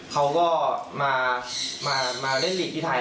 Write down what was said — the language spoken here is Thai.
เขาก็มาเล่นลีกที่ไทย